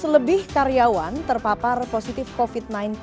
seratus lebih karyawan terpapar positif covid sembilan belas